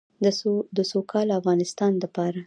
د سوکاله افغانستان لپاره.